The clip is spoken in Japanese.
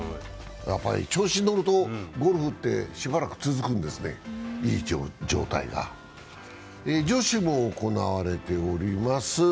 やっぱり調子に乗るとゴルフってしばらく続くんですね、いい状態が女子も行われております。